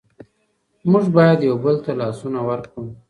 موږ باید یو بل ته لاسونه ورکړو.